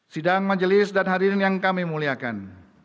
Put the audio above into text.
sidang majelis dan hadirin yang kami muliakan